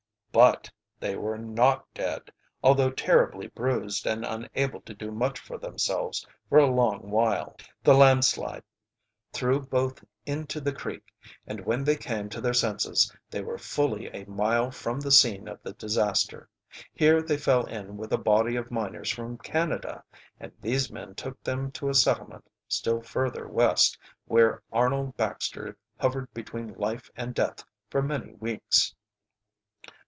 But they were not dead, although terribly bruised and unable to do much for themselves for a long while. The landslide threw both into the creek, and when they came to their senses they were fully a mile from the scene of the disaster. Here they fell in with a body of miners from Canada, and these men took them to a settlement still further West, where Arnold Baxter hovered between life and death for many weeks.